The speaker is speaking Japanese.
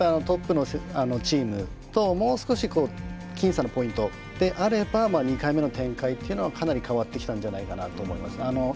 トップのチームともう少し僅差のポイントであれば２回目の展開というのはかなり変わってきたんじゃないかなと思います。